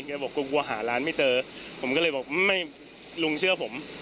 บอกกลัวหาร้านไม่เจอผมก็เลยบอกไม่ลุงเชื่อผม